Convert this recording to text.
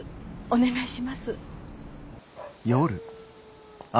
お願いします。